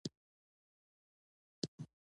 جنګونو ته دوام ورکوي.